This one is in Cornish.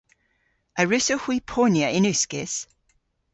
A wrussowgh hwi ponya yn uskis?